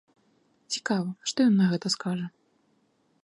Цікава, што ён на гэта скажа.